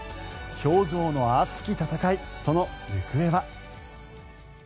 氷上の熱き戦い、その行方は。